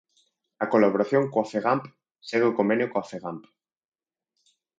A colaboración coa Fegamp, segue o convenio coa Fegamp.